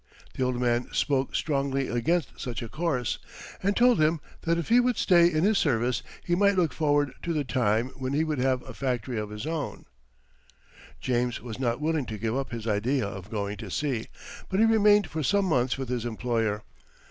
The old man spoke strongly against such a course, and told him that if he would stay in his service, he might look forward to the time when he would have a factory of his own. [Illustration: He never tired of reading.] James was not willing to give up his idea of going to sea, but he remained for some months with his employer.